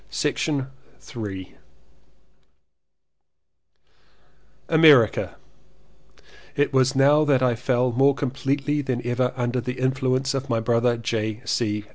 219 Ill AMERICA IT WAS now that I fell more completely than ever under the influence of my brother J.